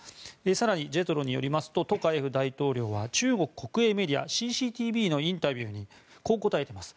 更に、ジェトロによりますとトカエフ大統領は中国国営メディアＣＣＴＶのインタビューにこう答えています。